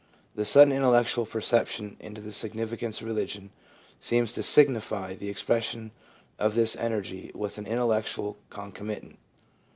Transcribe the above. The sudden intellectual perception into the significance of religion seems to signify the expression of this energy with an intellectual con comitant.